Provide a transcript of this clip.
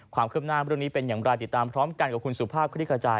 ความคืบหน้าเรื่องนี้เป็นอย่างไรติดตามพร้อมกันกับคุณสุภาพคลิกขจาย